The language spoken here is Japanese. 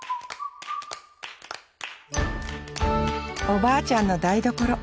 おばあちゃんの台所。